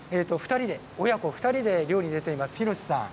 ２人で、親子２人で漁に出ています、寛さん。